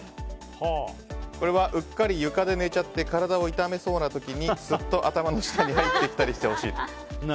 これはうっかり床で寝ちゃって体を痛めそうな時にスッと頭の下に入ってきたりしてほしいと。